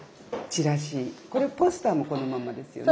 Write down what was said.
これポスターもこのままですよね。